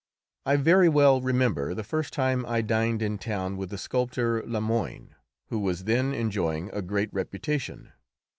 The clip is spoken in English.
I very well remember the first time I dined in town with the sculptor Le Moine, who was then enjoying a great reputation.